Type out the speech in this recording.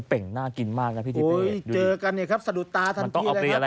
จริงพริกเกลือหน่อยนะ